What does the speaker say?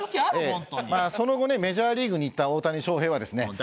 その後ねメジャーリーグに行った大谷翔平はですね。